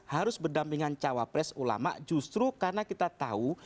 harus berdampingan cawapres ulama justru karena kita tahu